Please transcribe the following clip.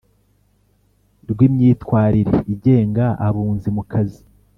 rw imyitwarire igenga Abunzi mu kazi